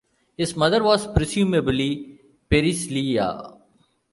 His mother was presumably Pericleia.